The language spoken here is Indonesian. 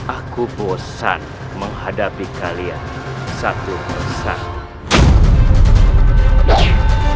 aku bosan menghadapi kalian satu bersama